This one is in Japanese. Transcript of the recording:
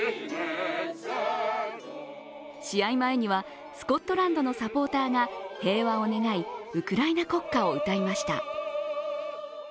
試合前にはスコットランドのサポーターが平和を願い、ウクライナ国歌を歌いました。